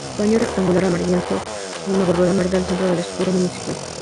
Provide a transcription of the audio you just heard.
Paño rectangular amarillo con una bordura verde, al centro el escudo municipal.